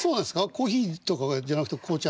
コーヒーとかじゃなくて紅茶。